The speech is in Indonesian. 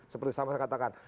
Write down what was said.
seperti yang saya katakan